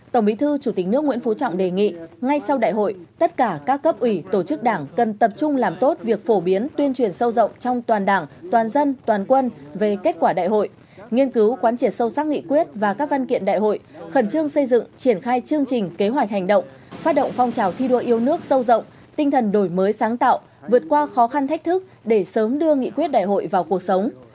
tổng bí thư chủ tịch nước nguyễn phú trọng đề nghị ngay sau đại hội tất cả các cấp ủy tổ chức đảng cần tập trung làm tốt việc phổ biến tuyên truyền sâu rộng trong toàn đảng toàn dân toàn quân về kết quả đại hội nghiên cứu quán triển sâu sắc nghị quyết và các văn kiện đại hội khẩn trương xây dựng triển khai chương trình kế hoạch hành động phát động phong trào thi đua yêu nước sâu rộng tinh thần đổi mới sáng tạo vượt qua khó khăn thách thức để sớm đưa nghị quyết đại hội vào cuộc sống